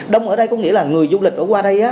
đông ở đây có nghĩa là người du lịch ở qua đây